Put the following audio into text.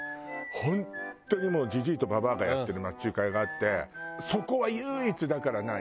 本当にもうじじいとばばあがやってる町中華屋があってそこは唯一だから何？